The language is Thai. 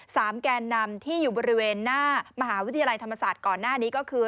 แกนนำที่อยู่บริเวณหน้ามหาวิทยาลัยธรรมศาสตร์ก่อนหน้านี้ก็คือ